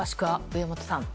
上本さん。